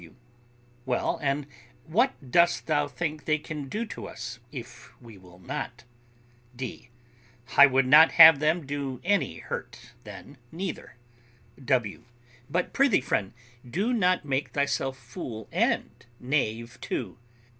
W. Well, and what dost thou think they can do to us, if we will not? D. I would not have them do you any hurt then, neither. W. But prithee, friend, do not make thyself fool and knave too.